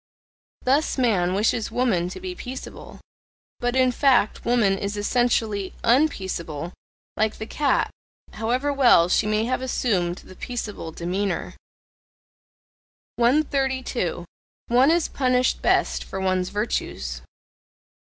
Thus man wishes woman to be peaceable: but in fact woman is ESSENTIALLY unpeaceable, like the cat, however well she may have assumed the peaceable demeanour. 132. One is punished best for one's virtues.